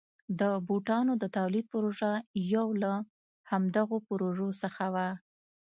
د بوټانو د تولید پروژه یو له همدغو پروژو څخه وه.